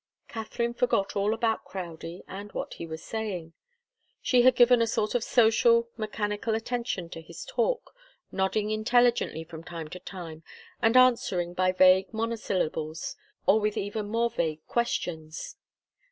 Katharine forgot all about Crowdie and what he was saying. She had given a sort of social, mechanical attention to his talk, nodding intelligently from time to time, and answering by vague monosyllables, or with even more vague questions.